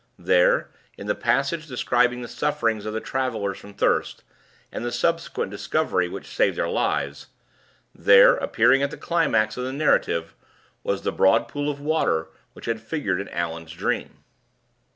There in the passage describing the sufferings of the travelers from thirst, and the subsequent discovery which saved their lives there, appearing at the climax of the narrative, was the broad pool of water which had figured in Allan's dream!